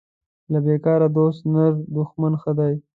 له بیکاره دوست نر دښمن ښه دی